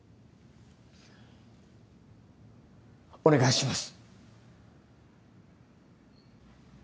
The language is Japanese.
お願いします。